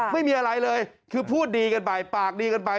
ไม่มีอะไรเลยคือพูดดีกันไปปากดีกันไป